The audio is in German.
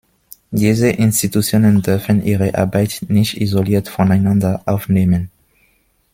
Diese Institutionen dürfen ihre Arbeit nicht isoliert voneinander aufnehmen.